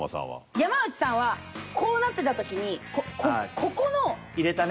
山内さんはこうなってた時にここの。入れたね。